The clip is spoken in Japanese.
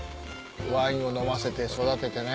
ワインを飲ませて育ててね。